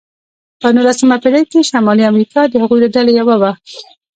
په نوولسمه پېړۍ کې شمالي امریکا د هغوی له ډلې یوه وه.